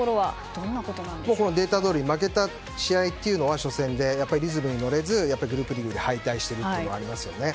データどおり負けた試合というのは初戦でリズムに乗れずグループリーグで敗退していますよね。